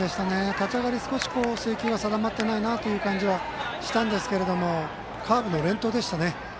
立ち上がり、少し制球が定まっていないなという感じはしたんですけどカーブの連投でしたね。